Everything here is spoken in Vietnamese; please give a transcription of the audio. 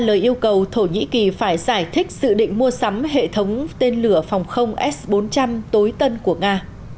lời yêu cầu thổ nhĩ kỳ phải giải thích dự định mua sắm hệ thống tên lửa phòng không s bốn trăm linh tối tân của nga